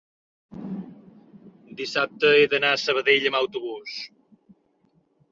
dissabte he d'anar a Sabadell amb autobús.